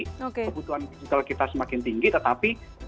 kebutuhan digital kita semakin tinggi tetapi